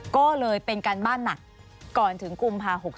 ก็เลยเป็นการบ้านหนักก่อนถึงกุมภา๖๓